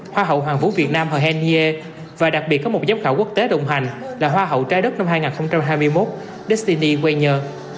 hoa hậu hoàng vũ việt nam hồ hèn nghê và đặc biệt có một giám khảo quốc tế đồng hành là hoa hậu trái đất năm hai nghìn hai mươi một destiny quay nhờ